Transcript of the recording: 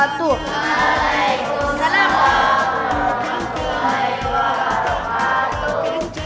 waalaikumsalam warahmatullahi wabarakatuh